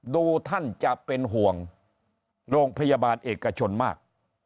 ดูท่านจะเป็นห่วงโรงพยาบาลเอกชนมาก